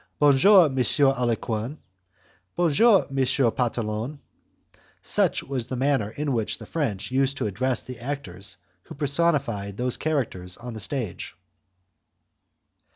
'Bon jour', Monsieur Arlequin; 'bon jour', Monsieur Pantalon: such was the manner in which the French used to address the actors who personified those characters on the stage.